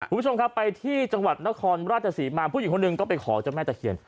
คุณผู้ชมครับไปที่จังหวัดนครราชสีมาผู้หญิงคนหนึ่งก็ไปขอเจ้าแม่ตะเคียน